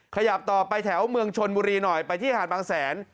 ขยับต่อไปแถวเมืองชนบุรีหน่อยไปที่หาดบางแสน